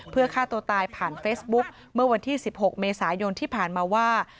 เพื่อฆ่าตัวตายผ่านเฟซบุ๊กเมื่อวันที่๑๖เมษายนที่ผ่านมาว่า